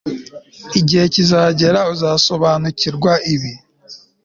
Igihe kizagera uzasobanukirwa ibi